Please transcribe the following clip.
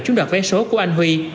trúng đoạt vé số của anh huy